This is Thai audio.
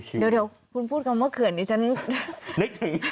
เดี๋ยวพูดคำว่าเขื่อนนี่จะ